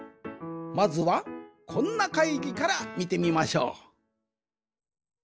まずはこんな会議からみてみましょう！